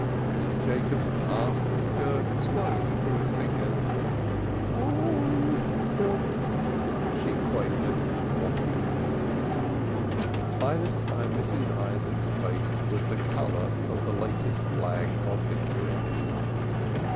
Mrs. Jacobs passed the skirt slowly through her fingers. "Aw aw aw aw aw awl silk!" she quavered mockingly. By this time Mrs. Isaacs's face was the color of the latest flag of victory.